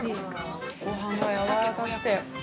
ごはんがやわらかくて。